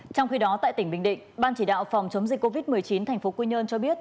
trong khi đó tại tỉnh bình định ban chỉ đạo phòng chống dịch covid một mươi chín tp quy nhơn cho biết